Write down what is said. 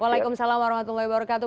waalaikumsalam warahmatullahi wabarakatuh